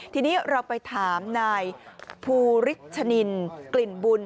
ทีนี้เราไปถามนายภูริชนินกลิ่นบุญ